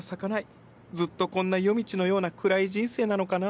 ずっとこんな夜道のような暗い人生なのかな。